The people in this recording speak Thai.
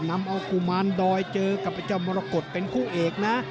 นำเอากุมารดอยเจอกับไอ้เจ้ามรกฏเป็นคู่เอกนะ